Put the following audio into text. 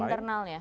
di internal ya